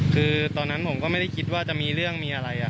คือตอนนั้นผมก็ไม่ได้คิดว่าจะมีเรื่องมีอะไร